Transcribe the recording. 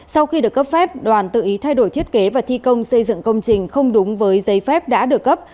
sau khi được cấp phép đoàn tự ý thay đổi thiết kế và thi công xây dựng công trình không đúng với giấy phép đã được cấp